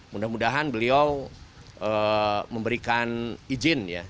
mudah mudahan beliau memberikan ijin